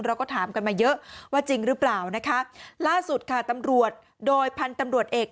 เราก็ถามกันมาเยอะว่าจริงหรือเปล่านะคะล่าสุดค่ะตำรวจโดยพันธุ์ตำรวจเอก